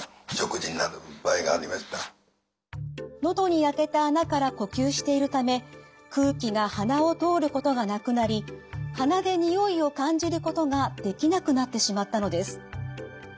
喉に開けた孔から呼吸しているため空気が鼻を通ることがなくなり鼻で匂いを感じることができなくなってしまったのです。